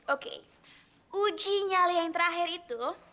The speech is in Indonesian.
oke uji nyali yang terakhir itu